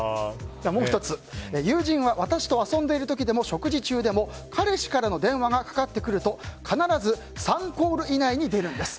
もう１つ友人は私と遊んでいる時でも食事中でも彼氏からの電話がかかってくると必ず３コール以内に出るんです。